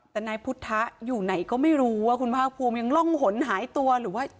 แต่นายพุทธอยู่ไหนก็ไม่รู้ว่าคุณภาคภูมิยังร่องหนหายตัวหรือว่า